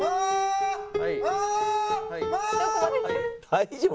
大丈夫？